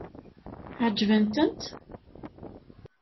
Ɛeǧbent-t?